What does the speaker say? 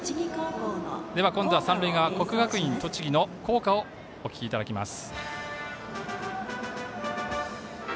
今度は三塁側、国学院栃木の校歌をお聞きいただきます。